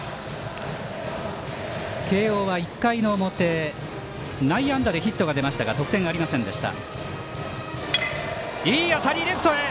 慶応は１回の表、内野安打でヒットが出ましたが得点ありませんでした。